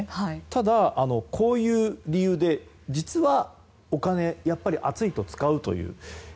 ただ、こういう理由で実は、お金やっぱり暑いと使うという。